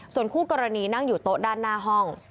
ส่วนคู่กรณีนั่งอยู่โต๊ะด้านหน้าห้อง